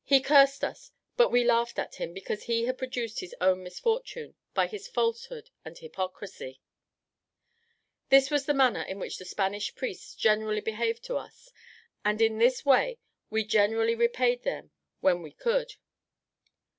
He cursed us; but we laughed at him, because he had produced his own misfortune by his falsehood and hypocrisy. This was the manner in which the Spanish priests generally behaved to us; and in this way we generally repaid them when we could.